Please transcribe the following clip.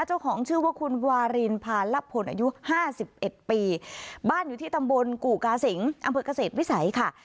เจ้าของชื่อว่าคุณวารินพาลับผลอายุห้าสิบเอ็ดปีบ้านอยู่ที่ตำบลกู่กาสิงอำเภอกเกษตรวิสัยค่ะ